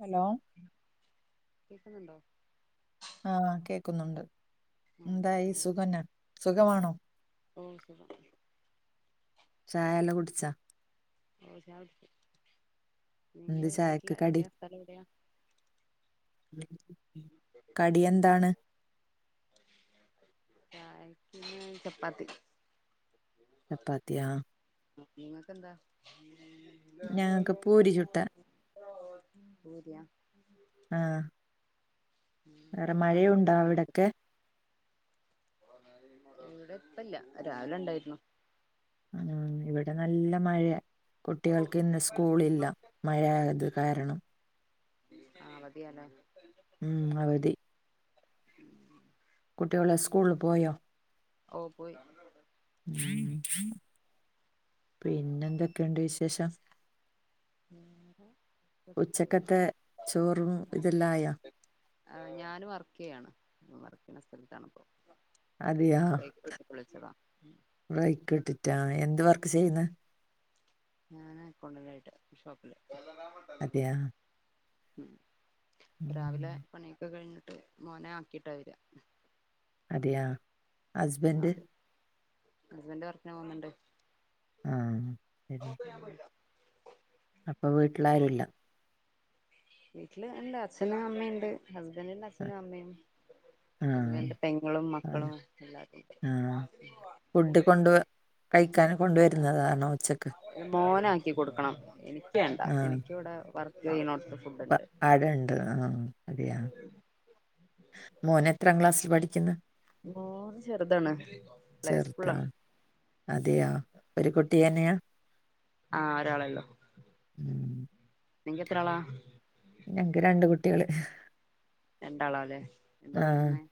Hello കേൾക്ക്ന്ന് ഇണ്ടോ? ആഹ് കേക്കുന്നുണ്ട് ആഹ് ഇന്തായി പറഞ്ഞോളൂ സുഖന്നെ സുഖമാണോ? ഓ സുഖം ചായ എല്ലാ കുട്ച്ചാ? ഓഹ് ചായ കുട്ച്ച് നിങ്ങെൾ എന്ത് വീട്ട്ൽ ചായക്ക് കടി എവിടെയാ? സ്ഥലം എവിടെയാ? കടി എന്താണ് [inaudible] ചായെക്ക് ചപ്പാത്തി ചപ്പാത്തിയാ നിങ്ങക്കെന്താ ഞാക്ക് പൂരി ചുട്ട [unintelligible] പൂരിയാ ആഹ് പണിയൊക്കെ കഴിഞ്ഞോ വീട്ടിത്തെ അവിടൊക്കെ ഇവിടെ ഇപ്പല്ല രാവിലെ ഉണ്ടായിരുന്നു ആഹ് ഇവിടെ നല്ല മഴയ കുട്ടികൾക്ക് ഇന്ന് സ്കൂളില്ല മഴയായത് കാരണം ആഹ് അവധിയാലേ ഉം അവദി കുട്ടിയോള് സ്കൂൾള് പോയോ ഓ പോയി ഉം പിന്നെന്തെക്കെണ്ട് വിശേഷം വേറെ പ്രത്യേകിച്ച് ഉച്ചക്കത്തെ ചോറും ഇതെല്ലാം ആയാ ആഹ് ഞാന് വർക്ക് ചെയ്യാണ് വർക്ക് ചെയ്യുന്ന സ്ഥലത്താണ് ഇപ്പോ. അതെയോ ബൈക്ക് ഇട്ടിട്ടാ എന്ത് വർക്ക്. ചെയ്യുന്ന ഞാന് അക്കൗണ്ടന്റ് ആയിട്ട് ഷോപ്പില്. അതെയാ ഉം രാവിലെ ഉം പണിയൊക്കെ കഴിഞ്ഞ് മോനെ ആക്കിട്ടാ വരുവാ അതെയാ ഹസ്ബൻഡ് ഹസ്ബെന്റ് വർക്കിന് പോന്നുണ്ട് ആ ശരി [unintelligible] അപ്പൊ വീട്ടില് ആരുവില്ല വീട്ടില് ഉണ്ട് അച്ഛനും അമ്മയും ഉണ്ട് ഹസ്ബന്റിന്റെ അച്ഛനും അമ്മയും ആ ഹസ്ബന്റിന്റെ പെങ്ങളും ആണ് മക്കളും എല്ലാരും ഉണ്ട് ആ [unintelligible] കൊണ്ട് കഴിക്കാൻ കൊണ്ടുവരുന്നതാണോ ഉച്ചക്ക് ക്കി കൊടുക്കണം എനിക്ക് വേണ്ട എനിക്ക് ഇവിടെ വർക്ക് ചെയ്യണോടത്ത് ഉണ്ട് അ അവിടെ ഉണ്ട് ആ അതെയാ മോൻ എത്രാം ക്ലാസ്സിൽ പഠിക്കുന്ന് മൂന്ന് ചെറുതാണ് പ്ലൈ ചെറുതാ സ്കൂളാണ് ഒറ്റ കുട്ടി തന്നെയാ നിക്ക് എത്ര ആളാ ഞക്ക് രണ്ട് കുട്ടികള് രണ്ടാളാല്ലേ എന്താ ആ പഠിക്കുന്നെ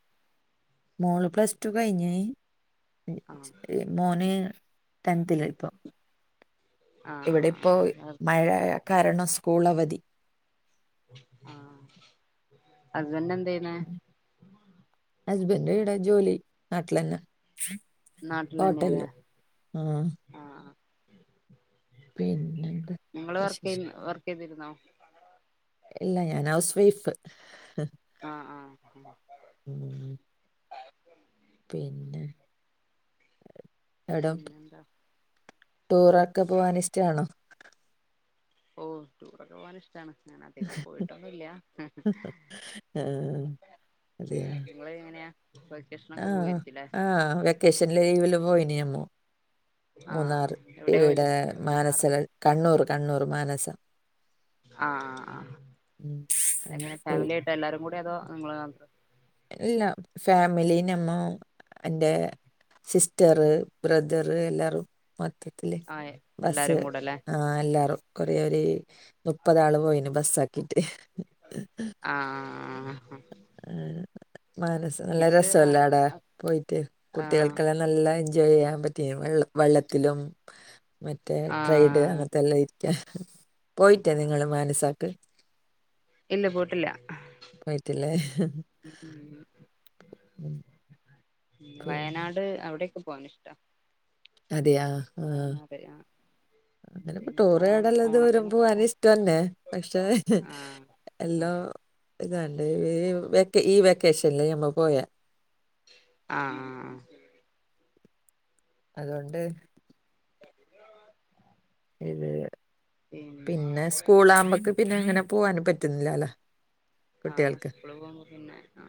മോള് പ്ലസ് ടു കഴിഞ്ഞഞ് ആഹ് ഏ മോന് ടെൻതിൽ ഇപ്പം ഇവിടെപ്പോ ആഹ് മഴ കാരണം സ്കൂൾ അവധി ആ ഹസ്ബെന്റ് എന്താ ചെയ്യണേ ഹസ്ബറ്റ് ഇവിട ജോലി നാട്ടിലാന്നെ നാട്ടിലന്നെയാ അല്ലെ ആ ആ ആ പിന്നെന്താ നിങ്ങള് വർക്ക് വിശേഷം വർക്ക് ചെയ്തിരുന്നോ ഇല്ല ഞാൻ ഹൗസ് വൈഫ് ആ ആ ഉ ഉം, പിന്നെ എവിടെ പിന്നെന്താ ടൂറൊക്കെ പോവാൻ ഇഷ്ട ആണോ ഓ ടൂർക്കെ പൊകാൻ ഇഷ് ടണ് ഞാന് അധികം പോയിട്ടൊന്നുല്ലാ ആ, അതെയോ നിങ്ങള് നിങ്ങള് എങ്ങനെയാ ആ വെക്കേഷനൊക്കെ പോയിരിക്കുല്ലേ ആ ആ വെക്കേഷൻ ലീവില് വെലോം പോയിന് അമ്മോ മൂന്നാർ ആഹ് എവിടെയാ പോയത് ഇവിടെ മൂന്നാറ് മാനസകൾ കണ്ണൂർ കണ്ണൂർ മാനസ ആ ആ ആ ഉം, അങ്ങനെ എങ്ങനെ പോയി ഫാമിലി ആയിട്ട് എല്ലാരും കൂടെ അതോ നിങ്ങ ഇല്ല ഫാമിലീ നമ്മോ എന്റെ സിസ്റ്ററ് ബ്രേ ദാർ എല്ലാരും മൊത്തത്തില് ആഹ് ബസിൽ എല്ലാരും കൂടെല്ലേ ആ എല്ലാരും കൊറെര് മുപ്പത ആള് പോയിന് ബസ ആക്കിട്ട് ആ ആ മനസ്സ നല്ല രസലെ അടെ ആഹ് പോയിട്ട് കുട്ടികൾക്കെല്ലാം നല്ല എൻജോയ് ചെയ്യാം റ്റേ വെള്ള വെള്ളത്തിലും മറ്റേ ആഹ് ട്രൈഡ് അങ്ങനത്തെ എല്ലാം ഇരിക്ക പോയിറ്റേ ആഹ് നിങ്ങള്മാനസാക്ക് ഇല്ല പോട്ടില്ല പോയിട്ടില്ലേ മുമ് ഉം പിന്നെ വയനാട് അവിടോക്കെ പോവാൻ ഇഷ്ട അതെയാ ആഹ് അങ്ങനെപ്പോ ഇനിയിപ്പോ ഓണം ടൂററോകൽ ഇത് വരുമ്പോ ഓണത്തിനൊക്കെ അത് പോണം ഇഷ്ടംന്നെ പക്ഷേ ആഹ് ആഹ് എല്ലാം ഇതാണ്ട് ഈ വെക്ക് ഈ വെക്കേഷനില് ഞമ്മൾ പോയ ആ ആ ആ അതുകൊണ്ട് [unintelligible] ഇത് പിന്നെ സ്കൂൾ ആകുമ്പോക്ക് പിന്നെ ഇങ്ങനെ പോവനും പറ്റുന്നില്ലല്ലോ ആ കുട്ടികൾക്ക് സ്കൂള് പോക പിന്നെ ആ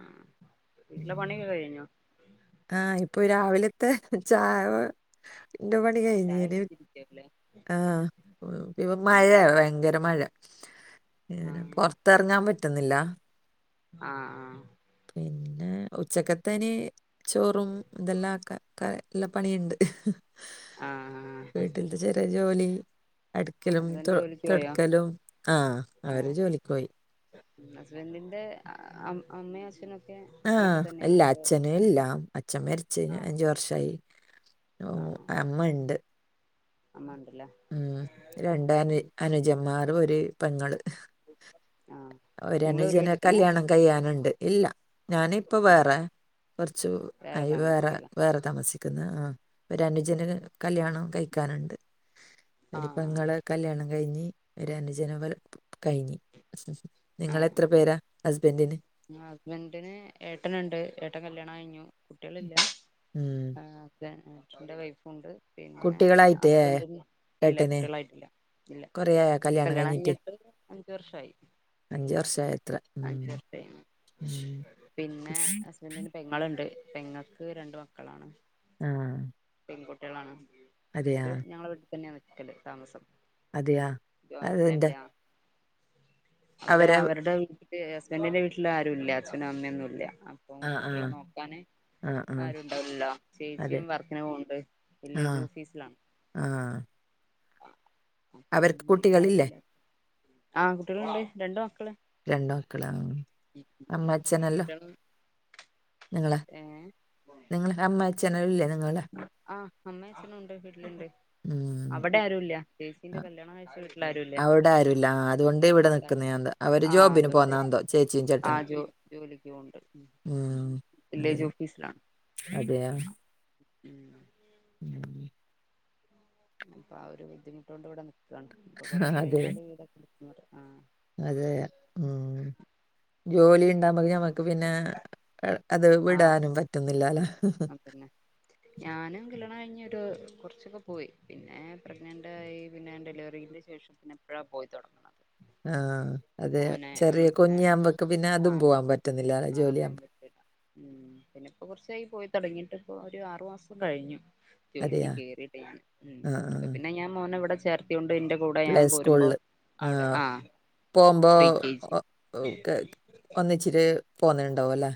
വീട്ടിലെ പണിയൊക്കെ കഴിഞ്ഞോ ആ ഇപ്പൊ രാവിലത്തെ ചായവ് എന്റെ പണി ചായ കഴിഞ്ഞിനി കുടിച്ചിരിക്കല്ലേ ആ പിന്നെ മഴ ഭയങ്കര മഴ പിനെ പൊറത്തെറങ്ങാൻ പറ്റുന്നില്ല ആ ആ പിന്നെ ഉച്ചക്കത്തേന് ചോറും ഇതെല്ലാം ക്കെ എല്ലാ പണിയുണ്ട് ആഹ് വീട്ടിന്റെ ചെറിയ ജോലി അടുക്കലും തോ ഹസ്ബൻഡ് ജോലിക്ക് പോയോ തൊടക്കലും ആ അവര് ജോലിക്ക് പോയി ഹസ്ബൻഡറ്റിന്റെ ആ അമ്മയും അച്ഛനൊക്കെ ആഹ് വീട്ടിൽ തന്നെയാ ഇല്ല അതോ അച്ഛനും ഇല്ല അച്ഛൻ മരച്ചഴിഞ്ഞു ആഹ് അഞ്ചു വർഷമായി ഓ ആഹ് അമ്മ ഉണ്ട് അമ്മ ഉണ്ടല്ലേ ഉം രണ്ട അനു അനുജന്മാറും ഒരു പെങ്ങള് ഉം ഒരനുജന കല്യാണം കഴിയാനുണ്ട് ഇല്ല ഞാനിപ്പ ഉം വേറെ കുറച്ച് അയ് വേറെ വേറെ താമസിക്കും ക്കുന്ന് ആഹ് ഒരു അനുജന് കല്യാണം കഴിക്കാനുണ്ട് ഒരു ആഹ് പെങ്ങളെ കല്യാണം കഴിഞ്ഞ് ഒരു അനുജന് [unintelligible] കഴിഞ്ഞ് നിങ്ങള് എത്ര പേരാ ഹസ്ബന്റിന് ഹസ്ബന്റിന് ഏട്ടനുണ്ട് ഏട്ടൻ കല്യാണം കഴിഞ്ഞു കുട്ടികളില്ല ഉം അഛൻ അച്ഛന്റെ വൈഫുണ്ട് പിന്നെ കുട്ടികളായിട്ടേ ഹസ്ബന്റിന് ഇല്ല ഏട്ടന് കുട്ടികളായിട്ടില്ല ഇല്ല കല്യാണം കഴിഞ്ഞിട്ട് അഞ്ച് വർഷായി അഞ്ച് വർഷായിത്രെ ഉം ഉം. പിന്നെ ഹസ്ബന്റിന് പെങ്ങളുണ്ട് പെങ്ങൾക്ക് രണ്ട് മക്കളാണ് ആഹ് പെൺകുട്ടികളാണ് അവര് ഞങ്ങളെ വീട്ടിൽ തന്നെയാ നിക്കല് താമസം അതെയാ ജോയിന്റ് അതെന്ത ഫാമിലിയാ അവര് അവരുടെ വീട്ടില് ഹസ്ബന്റിന്റെ വീട്ടില് ആരൂല്ല അച്ഛനും അമ്മയൊന്നും ഇല്ല അപ്പൊ ആ, ആ. കുട്ടികളെ നോക്കാന് ആ, ആ. ആരുംണ്ടാവില്ല അതെ. ചേച്ചിയും വർക്കിന് പോണ്ട് ആ, വില്ലേജ് ഓഫീസിലാണ് ആ. അപ്പം അവർക്ക് വീട്ടിലാരും കുട്ടികളില്ലേ? ഇല്ല ആഹ് കുട്ടികളുണ്ട് രണ്ടു രണ്ട് മക്കളാണ് അമ്മ അച്ഛനെല്ലാം കുട്ടികളും നിങ്ങളാ ഏ നിങ്ങള അമ്മ അച്ഛനില്ലേ ആഹ് അമ്മഛനുണ്ട് വീട്ടിലുണ്ട് ഉം. അവിടെ ആരും ഇല്ല അ ചേച്ചിന്റെ കല്യാണം കഴിച്ച വീട്ടി അവിടെ ആരുല്ല അതുകൊണ്ട് ഇവിടെ അവിടെ ആരും നിക്കുന്നത് അവര് ആ ജോബിന് അതുകൊണ്ട് പോന്ന എന്തോ ചേച്ചിയും ആ ചേട്ടനും ജോ ജോലിക്ക് പോണ്ട് വില്ലേജ് ഓഫീസിലാണ് അതെയ ഉം ഉം അപ്പൊ ആ ഒരു ബുദ്ധിമുട്ട് കൊണ്ട് ഇവിടെ നിക്കുവാണ് ഇപ്പൊ കൊറച്ചു അതെ. കഴിഞ്ഞാല് [unintelligible] അതെ ഉം ജോലി ഉണ്ടാകുമ്പ മ്മക്ക് പിന്നെ അത് ആ വിടാനും പറ്റുന്നില്ലല്ലോ അതന്നെ ഞാനും കല്യാണം കഴിഞ്ഞ് കുറച്ചൊക്കെ പോയി പിന്നെ പ്രഗ്നന്റ് ആയി പിന്നെ ഡെലിവറിന്റെ ശേഷം പിന്നെ ഇപ്പോഴാ പോയി തുടങ്ങത് ആഹ് അതെ ചെറിയ അങ്ങനെ കുഞ്ഞിയാവുമ്പക്കെ പിന്നെ അതും ആഹ് പോവാൻ പറ്റുന്നില്ല ആഹ് പോകാൻ ജോലിയാവുമ്പോ പറ്റില്ല ഉം പിന്നെ ഇപ്പോ കുറച്ചായി പോയി തുടങ്ങിയിട്ട് ഇപ്പൊ ഒരു ആറുമാസം കഴിഞ്ഞു. ജോലിക്ക് അതെയാ കേറിയ ടൈമിൽ ഉം ആഹ് ഇപ്പൊ ആഹ് പിന്നെ ഞാൻ മോനെ ഇവിടെ ചേർത്തിയൊണ്ട് എന്റെ കൂടെ പ്ലേ ഞാൻ പോരുമ്പോ സ്കൂളില് അവിടെ ആഹ് അപ്പോ പ്രീ കെ ജി ഒന്നിച്ചിട്ട് പോന്നുണ്ടാവും അല്ലേ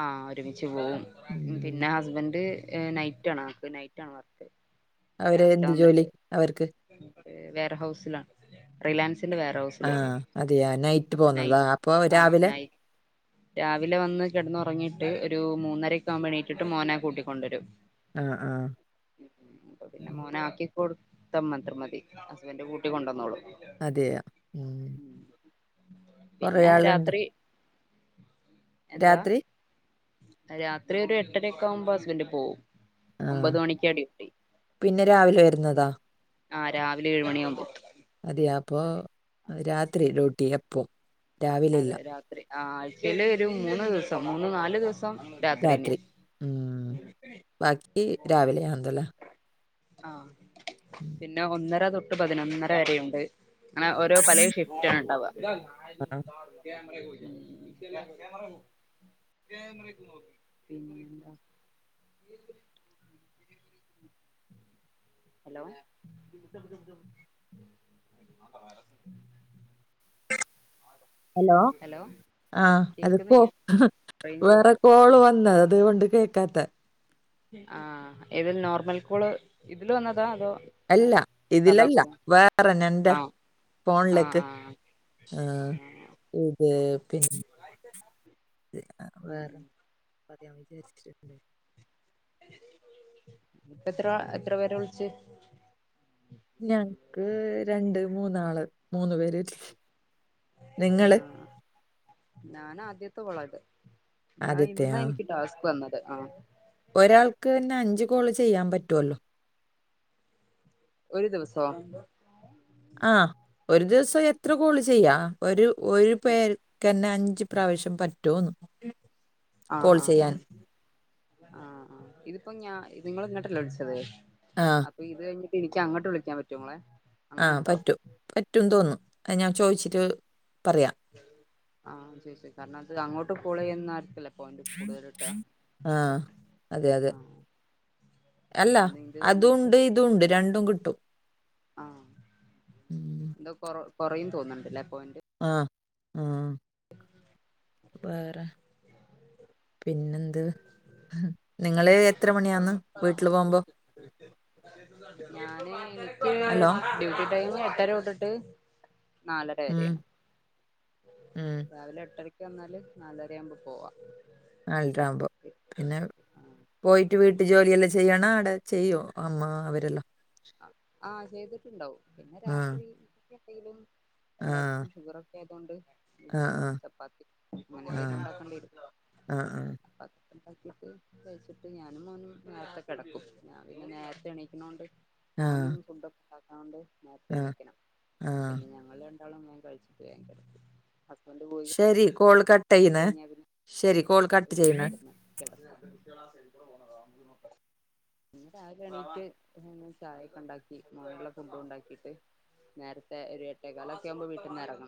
ആ ഒരുമിച്ച് പോവും ഉം പിന്ന ഹസ്ബൻഡ് ഏ നൈറ്റ് ആണ ആൾക്ക് നൈറ്റ ആണ് വർക്ക്‌ അവര് എന്ത് ജോലി അവർക്ക്? വെയർ ഹൗസിലാണ് റിലയൻസ് ആഹ് അതെയാ നൈറ്റ് അപ്പൊ നൈ പോന്നത് അപ്പൊ ആഹ് രാവിലെ? നൈ രാവിലെ വന്ന് കിടന്നുറങ്ങിയിട്ട്. ഒരു മൂന്നരയൊക്ക ആക്കുപ്പോൾ എണീറ്റിട്ട്. പോയി മോനേ കൂട്ടികൊണ്ട് വരും ആ ആ പിന്നെ മോനെ ആക്കി കൊടുത്ത മാത്രം മതി ഹസ്ബന്റ് കൂട്ടി കൊണ്ടുവന്നോളും അതെയ ഉം കൊറെ പിന്നെ ആൾ ഇണ്ടാ? രാത്രി എന്താ രാത്രി രാത്രി ഒരു എട്ടരയക്കെ ആവുമ്പോ ഹസ്ബന്റ് പോകവും. ആഹ് ഒമ്പത് മണിക്കാ ഡ്യൂട്ടി പിന്നെ രാവിലെ വരുന്നതാ ആ രാവിലെ ഏഴുമണിയാകുമ്പോ അതെയ അപ്പൊ രാത്രി ഡ്യൂട്ടി എപ്പോ രാവിലെ ഇല്ല അതെ രാത്രി ആ ആഴ്ചയിൽ ഒരു മൂന്ന് ദിവസം. മൂന്ന്, നാല്, ദിവസം രാത്രിന്നെയാ രാത്രി ഉം ബാക്കി രാവിലെ ആന്തല്ല ആ പിന്നെ ഒന്നര തൊട്ട് പതിനൊന്നര വരെയുണ്ട് അങ്ങനെ ഓരോ പലയ ഷിഫ്റ്റ് ആണ് ഇണ്ടാവുക ആ. [unintelligible] പിന്നെ എന്താ [unintelligible] ഹലോ ഹലോ ആ അത് കോ കേക്കുന്നില്ല റേഞ്ച് പോയോ വേറെ കോള് വന്ന് അത് കൊണ്ട് കേൾക്കാത്തെ ആ ഇത് നോർമൽകോൾ ഇതില് വന്നതോ അതോ? അല്ല വേറെ സാധാ ഇതിലല്ല കോളാ വേറെ നെന്റെ ആഹ് ആഹ് ഫോണിലേക്ക് ആഹ് ആ ആഹ് ഇത് പിന്നെ ഉം വേറെ ഉം [unintelligible] ഇപ്പ എത്ര എത്ര പേരെ വിളിച്ച്? ഞങ്ങക്ക് രണ്ട് മൂന്നാള്. മൂന്നു പേര് നിങ്ങള് ഞാന ആദ്യത്തെ കോൾ ആണ് ഇത്. ഞാൻ ആദ്യത്തെയാ ഇന്ന എനിക്ക് ടാസ്ക് വന്നത് ആ ഒരാൾക്ക് തന്നെ അഞ്ചു കോൾ ചെയ്യാൻ പറ്റുവല്ലോ ഒരു ദിവസോ ആ ഒരു ദിവസം എത്ര കോള് ചെയ്യാ ഒരു ഒരു പേർക്ക് തന്നെ അഞ്ച് അഞ്ചു പ്രാവശ്യം പറ്റോന്ന് ഉം ആ ആ ആ ആ ആ ഇതിപ്പോ ഞ നിങ്ങള് ഇങ്ങോട്ട് അല്ലേ വിളിച്ചത് ആ അപ്പൊ ഇത് കഴിഞ്ഞിട്ട് എനിക്ക് അങ്ങോട്ട് വിളിക്കാൻ പറ്റുമോ മോളെ ആ പറ്റും പറ്റും വെന്നു തോന്നുന്നു. ഞാൻ ചോദിച്ചിട്ട് പറയാം ആ ശരി ശരി കാരണം അത് അങ്ങോട്ട് കോൾ ചെയ്യുന്ന ആൾക്കല്ലേ ആ അതെ അതെ [unintelligible] അല്ല അതുണ്ട് ഇതുണ്ട് രണ്ടും കിട്ടും ആ ഉം. എന്തോ കൊറ കൊറയും തോന്നണ്ടല്ലപ്പൊ? ആ ഉം വേറെ പിന്നെന്ത് നിങ്ങള് എത്ര മണിയന്ന് വീട്ടില് പോകുമ്പോ ഞാന് എനിക്ക് ഹലോ ഡ്യൂട്ടി ടൈം എട്ടര തൊട്ടിട്ട് [inaudible] നാലര ഉം വരെയാണ് ഉം രാവിലെ എട്ടര ന്നാല് നാലര ആവുമ്പോ പോവാ നാലര ആകുമ്പോ എട്ട് മണി പിന്നെ ആഹ് പോയിട്ട് വീട്ടു ജോലിയെല്ലാം ചെയ്യ ആണ അവിടെ ചെയ്യോ അമ്മ അവരെല്ലോ ആഹ ചെയ്തിട്ടുണ്ടാവും പിന്നെ ആ രാത്രി എന്തെിലും ആ എല്ലാർക്കും ഷുഗർ ഒക്കെ ആയത കൊണ്ട് ആ എങ്കിലും ആ ചപ്പാത്തി [inaudible] മനന്തും ഉണ്ടാക്കണ്ടി വരും ആഹ ഉ ണ്ടാക്കിട്ട് കഴച്ചിട്ട് ഞാനും മോനും നേരത്തെ കെടക്കും ഞാൻ പിന്നെ നേരത്തെ എണീക്കുന്നോണ്ട് ആ ഓനും ഫുഡൊക്കെ ഉാക്കൻണ്ട് നേത്ത് ആ ആ എണീക്കണം ആ പിന്നെ ഞങ്ങ ര ളെ മോൻ കഴിച്ചിട്ട് വേ കടക്കും ഹസ്ബൻ്റ് പോയി ശരി കോൾ കട്ട് ചെയ്യുന്നേ കഴിഞ്ഞ പിന്നെ ശരി കോൾ കട്ട് ചെയ്യണേ കടന്ന [inaudible] കടന്ന [inaudible] ഇങ്ങ രാവെ എണീട്ട് ചായ ഒക്കെ ഉണ്ടാക്കി മഴുള്ള ഫുഡ ഉണ്ടാക്കിട്ട് നേരത്തെ ഒരു എട്ടേ കാലൊക്കെ ആകുമ്പോ വീട്ടിന്ന് എറങ്ങും.